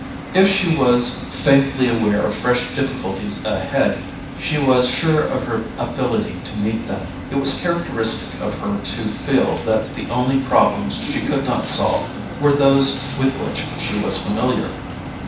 If she was faintly aware of fresh difficulties ahead, she was sure of her ability to meet them: it was characteristic of her to feel that the only problems she could not solve were those with which she was familiar.